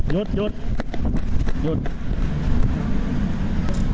ยุทธยุทธยุทธ